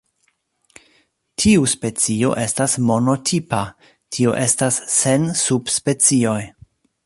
Tiu specio estas monotipa, tio estas sen subspecioj.